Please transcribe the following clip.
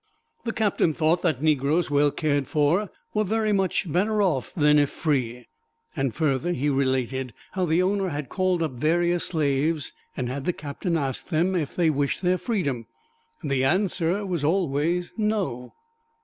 The captain thought that negroes well cared for were very much better off than if free. And further, he related how the owner had called up various slaves and had the Captain ask them if they wished their freedom, and the answer was always, "No."